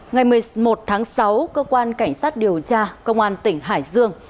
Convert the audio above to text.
ngày một mươi một tháng sáu cơ quan cảnh sát điều tra công an tỉnh hải dương